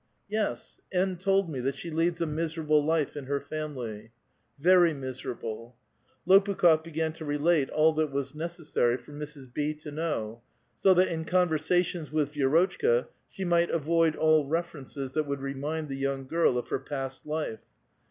"Yes; N. told me that she leads a miserable life in her familv." '' Very miserable." Lopukh6f began to relate all that was necessarj* for Mrs. B. to know, so that in conversations with Vi^rotchka, she might avoid all references that would remind the young girl of her past life.